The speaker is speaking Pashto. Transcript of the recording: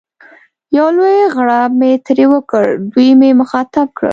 یو لوی غړپ مې ترې وکړ، دوی مې مخاطب کړل.